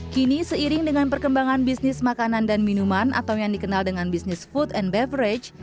kini seiring dengan perkembangan bisnis makanan dan minuman atau yang dikenal dengan bisnis food and beverage